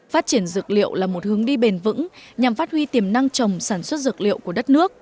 phát triển dược liệu là một hướng đi bền vững nhằm phát huy tiềm năng trồng sản xuất dược liệu của đất nước